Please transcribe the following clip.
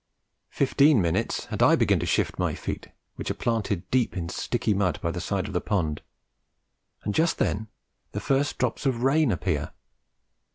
Fifteen minutes, and I begin to shift my feet, which are planted deep in sticky mud by the side of the pond, and just then the first drops of rain appear.